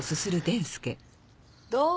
どう？